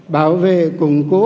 bảo vệ củng cố